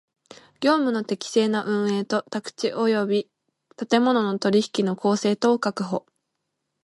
業務の適正な運営と宅地及び建物の取引の公正とを確保